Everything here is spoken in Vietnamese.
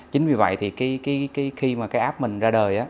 chính vì vậy thì khi mà cái app mình ra đời